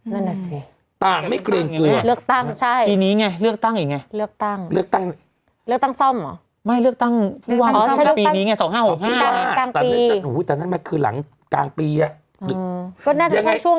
นั่นแหละสิต่างไม่เกรงเกลือเลือกตั้งใช่ปีนี้ไงเลือกตั้งอีกไง